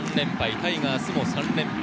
タイガースも３連敗。